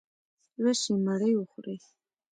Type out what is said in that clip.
راشئ مړې وخورئ.